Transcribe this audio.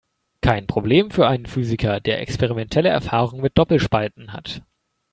Kein Problem für einen Physiker, der experimentelle Erfahrung mit Doppelspalten hat.